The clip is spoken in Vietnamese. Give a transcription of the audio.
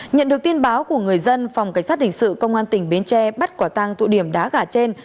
nhận được tin báo của người dân phòng cảnh sát hình sự công an tỉnh bến tre bắt quả tăng tụ điểm đá gà trên